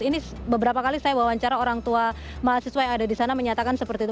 ini beberapa kali saya wawancara orang tua mahasiswa yang ada di sana menyatakan seperti itu